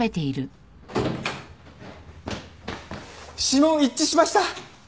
指紋一致しました。